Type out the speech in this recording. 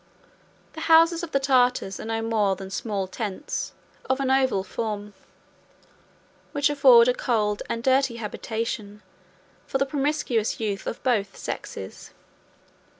The houses of the Tartars are no more than small tents, of an oval form, which afford a cold and dirty habitation, for the promiscuous youth of both sexes.